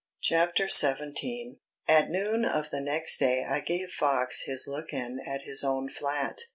CHAPTER SEVENTEEN At noon of the next day I gave Fox his look in at his own flat.